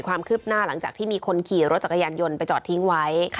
ความคืบหน้าหลังจากที่มีคนขี่รถจักรยานยนต์ไปจอดทิ้งไว้